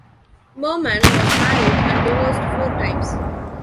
Merman was married and divorced four times.